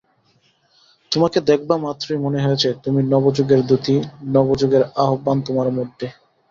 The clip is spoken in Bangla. তোমাকে দেখবামাত্রই মনে হয়েছে, তুমি নবযুগের দূতী, নবযুগের আহ্বান তোমার মধ্যে!